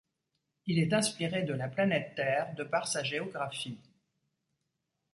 Il est inspiré de la planète Terre de par sa géographie.